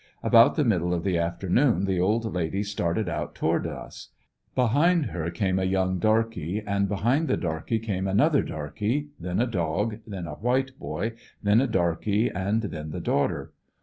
About the middle of the afternoon the old lady started out toward us. Behind her came a young darky, and behind the darky came another darky ; then a dog, then a white boy, then a darky, and then the daughter.